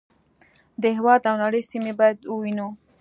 د هېواد او نړۍ سیمې باید ووینو.